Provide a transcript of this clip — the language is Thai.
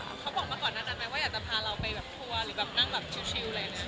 เขาบอกมาก่อนนั้นนะว่าอยากจะพาเราไปแบบทัวร์หรือแบบนั่งแบบชิลล์อะไรแบบนั้น